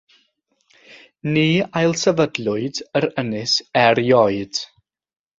Ni ailsefydlwyd yr ynys erioed.